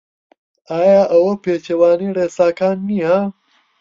ئایا ئەوە پێچەوانەی ڕێساکان نییە؟